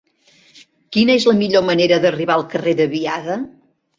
Quina és la millor manera d'arribar al carrer de Biada?